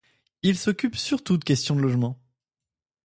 Il s'occupe surtout de questions de logement.